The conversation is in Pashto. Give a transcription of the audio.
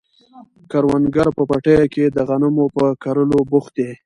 کروندګر په پټیو کې د غنمو په کرلو بوخت دي.